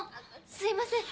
すいません。